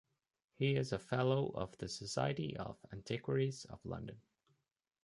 He is a fellow of the Society of Antiquaries of London.